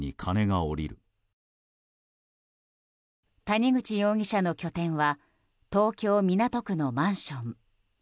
谷口容疑者の拠点は東京・港区のマンション。